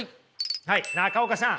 はい中岡さん。